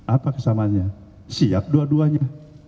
apa kesamaannya siap dua duanya